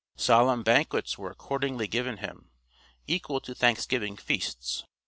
Solemn banquets were accordingly given him, equal to thanksgiving feasts.